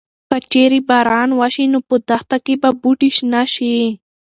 که چېرې باران وشي نو په دښته کې به بوټي شنه شي.